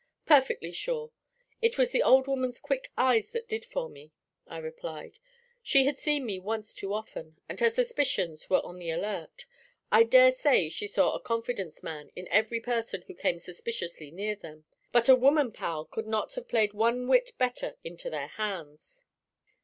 'Perfectly sure. It was the old woman's quick eyes that did for me,' I replied; 'she had seen me once too often, and her suspicions were on the alert. I dare say she saw a "confidence man" in every person who came suspiciously near them, but a woman pal could not have played one whit better into their hands.'